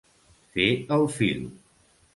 Fer el fil.